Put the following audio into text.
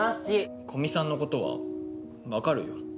古見さんのことは分かるよ。